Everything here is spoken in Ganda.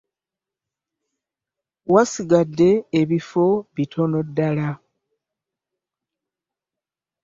Wasigadde ebifo bitono ddala.